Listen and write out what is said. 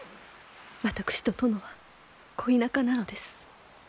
私と殿は恋仲なのです。